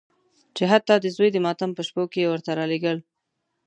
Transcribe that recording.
چې حتی د زوی د ماتم په شپو کې یې ورته رالېږل.